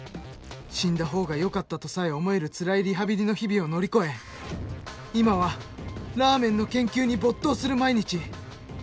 死んだ方がよかったとさえ思えるつらいリハビリの日々を乗り越え今はラーメンの研究に没頭する毎日。